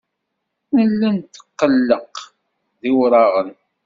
Nella netteqqal d iwraɣen.